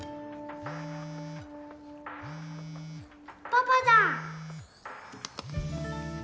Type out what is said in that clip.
パパだ！